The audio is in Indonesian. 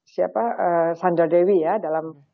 siapa sandardewi ya dalam